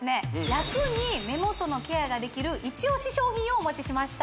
楽に目元のケアができるイチオシ商品をお持ちしました